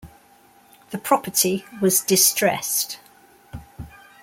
The property was distressed.